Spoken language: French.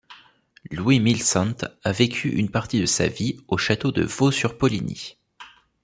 Louis Milcent a vécu une partie de sa vie au château de Vaux-sur-Poligny.